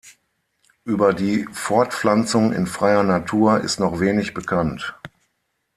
Über die Fortpflanzung in freier Natur ist noch wenig bekannt.